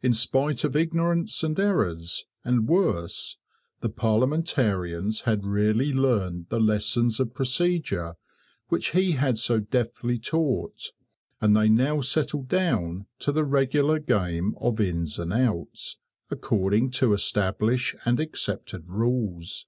In spite of ignorance, and errors, and worse, the parliamentarians had really learned the lessons of procedure which he had so deftly taught, and they now settled down to the regular game of Ins and Outs, according to established and accepted rules.